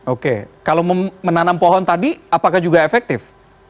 oke kalau menanam pohon tadi apakah juga efektif